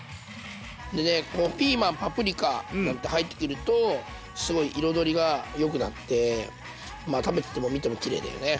でねこのピーマンパプリカなんて入ってくるとすごい彩りがよくなって食べてても見てもきれいだよね。